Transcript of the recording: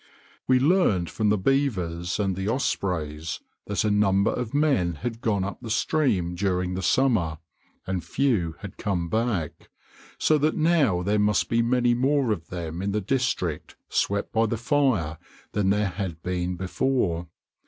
We learned from the beavers and the ospreys that a number of men had gone up the stream during the summer, and few had come back, so that now there must be many more of them in the district swept by the fire than there had been before.